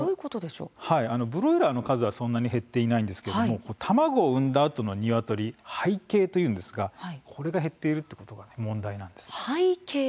ブロイラーの数はそんなに減っていないんですが卵を産んだあとのニワトリ「廃鶏」と呼ばれているんですが、これが減っているのが問題なんです。